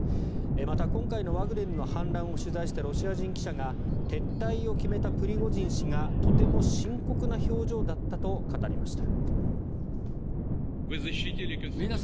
また、今回のワグネルの反乱を取材したロシア人記者が撤退を決めたプリゴジン氏がとても深刻な表情だったと語りました。